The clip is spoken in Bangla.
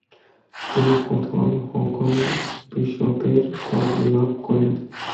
তিনি প্রথম হংকং বিশপের পদ লাভ করেন।